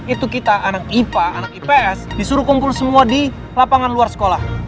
itu kita anak ipa anak ips disuruh kumpul semua di lapangan luar sekolah